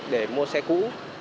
để mua xe cũ